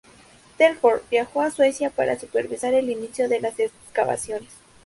Telford viajó a Suecia para supervisar el inicio de las excavaciones.